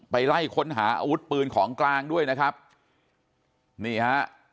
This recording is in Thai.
ไปไล่ค้นหาอาวุธปืนของกลางด้วยนะครับนี่ฮะ